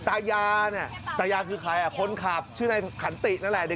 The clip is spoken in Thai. ตายาตายาคือใครคนขับชื่อในขันตินั่นแหละ